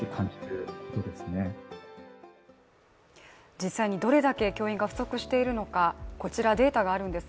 実際にどれだけ教員が不足しているのかこちら、データがあります。